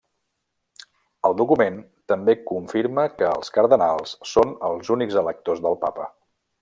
El document també confirma que els cardenals són els únics electors del papa.